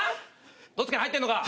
どっちかに入ってんのか？